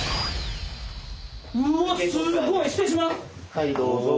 はいどうぞ。